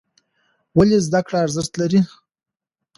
ولې زده کړه ارزښت لري؟